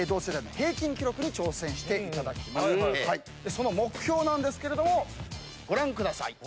その目標なんですけれどもご覧ください。